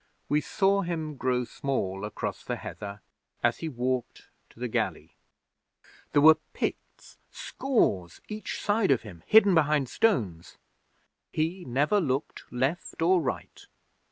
'We saw him grow small across the heather as he walked to the galley. There were Picts, scores, each side of him, hidden behind stones. He never looked left or right.